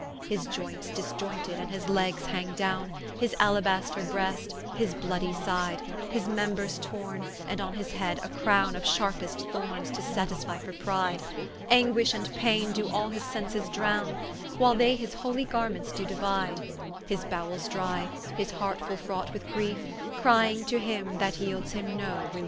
His joynts dis joynted, and his legges hang downe, His alablaster breast, his bloody side, His members torne, and on his head a Crowne Of sharpest Thorns, to satisfie for pride: Anguish and Paine doe all his Sences drowne, While they his holy garments do diuide: His bowels drie, his heart full fraught with griefe, Crying to him that yeelds him no reliefe.